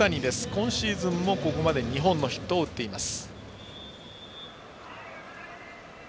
今シーズンもここまで２本のヒットを打っています。